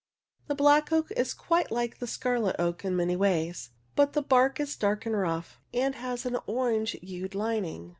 The black oak is quite like the scarlet oak in many ways, but the bark is dark and rough, and has an orange hued lining.